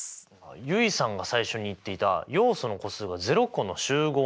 結衣さんが最初に言っていた要素の個数が０個の集合のことですね。